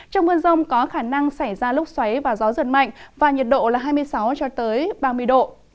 trong mưa rông có khả năng xảy ra lúc xoáy và gió giật mạnh và nhiệt độ là hai mươi sáu cho tới ba mươi độ